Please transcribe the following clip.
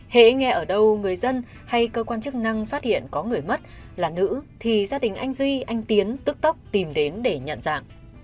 hãy nghe ở đâu người dân hay cơ quan chức năng phát hiện có người mất là nữ thì gia đình anh duy anh tiến tức tốc tìm đến để nhận dạng